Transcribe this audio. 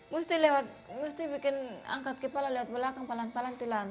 mesti angkat kepala ke belakang pelan pelan telan